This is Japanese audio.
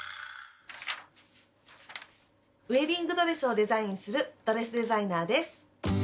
ウエディングドレスをデザインするドレスデザイナーです。